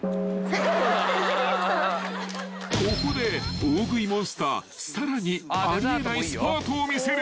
［ここで大食いモンスターさらにあり得ないスパートを見せる］